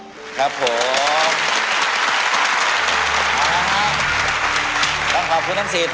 ครับผม